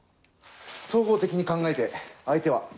総合的に考えて相手は。